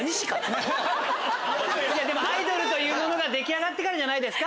アイドルというものが出来上がってからじゃないですか。